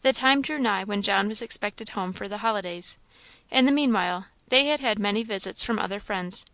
The time drew nigh when John was expected home for the holidays. In the meanwhile they had had many visits from other friends.